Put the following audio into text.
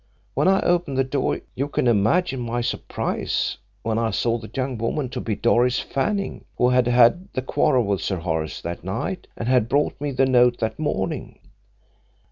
When I opened the door, you can imagine my surprise when I saw the young woman to be Doris Fanning, who had had the quarrel with Sir Horace that night and had brought me the note that morning.